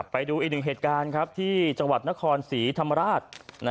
ไปดูอีกหนึ่งเหตุการณ์ครับที่จังหวัดนครศรีธรรมราช